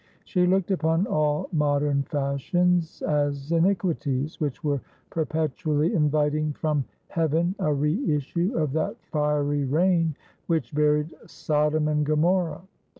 She looked upon all modern fashions as iniquities which were perpetually inviting from heaven a re issue of that fiery rain which buried Sodom and Gomorrah.